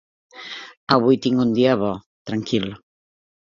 Avui tinc un dia bo, tranquil.